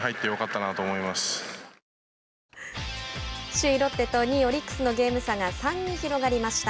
首位ロッテと２位オリックスのゲーム差が３に広がりました。